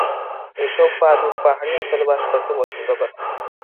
এসব বাদুড় পাহাড়ি অঞ্চলে বাস করতে পছন্দ করে।